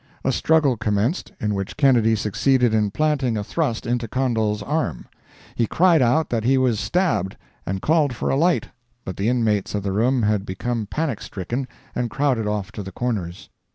A struggle commenced, in which Kennedy succeeded in planting a thrust into Condol's arm. He cried out that he was stabbed, and called for a light, but the inmates of the room had become panic stricken and crowded off to the corners.